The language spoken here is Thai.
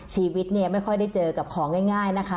ชีวิตเนี่ยไม่ค่อยได้เจอกับของง่ายนะคะ